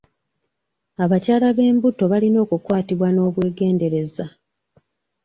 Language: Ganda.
Abakyala b'embuto balina okukwatibwa n'obwegendereza.